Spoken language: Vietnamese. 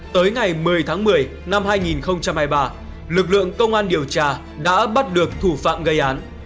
tới ngày một mươi tháng một mươi năm hai nghìn hai mươi ba lực lượng công an điều tra đã bắt được thủ phạm gây án